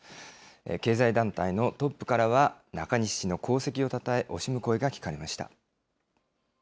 経済団体のトップからは、中西氏の功績をたたえ、惜しむ声が聞かれました。